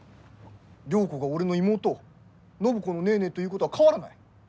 良子が俺の妹暢子のネーネーということは変わらない。